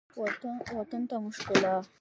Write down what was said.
وطن ته مو ښکلا